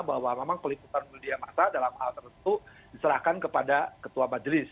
bahwa memang peliputan media masa dalam hal tertentu diserahkan kepada ketua majelis